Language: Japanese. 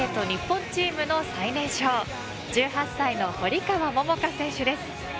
日本チームの最年少１８歳の堀川桃香選手です。